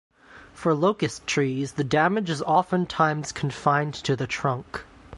For locust trees the damage is often times confined to the trunk.